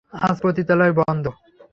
আজ পতিতালয় বন্ধ।